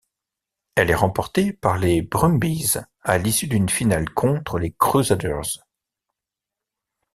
Elle est remportée par les Brumbies à l'issue d'une finale contre les Crusaders.